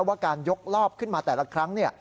ว่าการยกรอบขึ้นมาแต่ละครั้ง